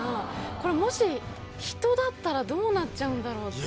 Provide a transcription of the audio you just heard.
これもし人だったらどうなっちゃうんだろうって。